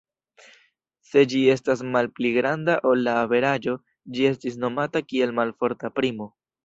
Se ĝi estas malpli granda ol la averaĝo ĝi estas nomata kiel malforta primo.